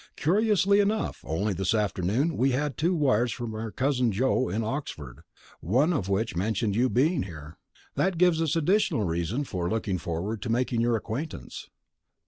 Curiously enough, only this afternoon we had two wires from our cousin Joe in Oxford, one of which mentioned your being here. That gives us additional reason for looking forward to making your acquaintance.